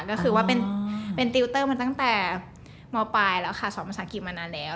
ก็คือว่าเป็นติวเตอร์มาตั้งแต่มปลายแล้วค่ะสอนภาษาอังกฤษมานานแล้ว